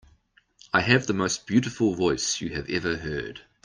I have the most beautiful voice you have ever heard.